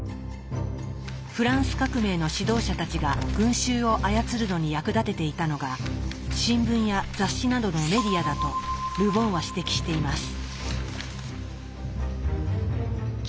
フランス革命の指導者たちが群衆を操るのに役立てていたのが新聞や雑誌などのメディアだとル・ボンは指摘しています。